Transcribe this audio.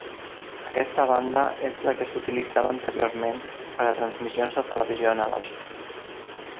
Aquesta banda és la que s'utilitzava anteriorment per a transmissions de televisió analògica.